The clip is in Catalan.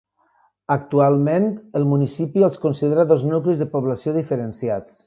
Actualment, el municipi els considera dos nuclis de població diferenciats.